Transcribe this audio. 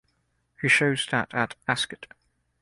He showed that at Ascot.